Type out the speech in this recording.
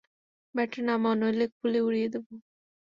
ব্যাটটা নামাও, নইলে খুলি উড়িয়ে দেবো!